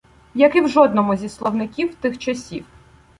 Як і в жодному зі словників тих часів.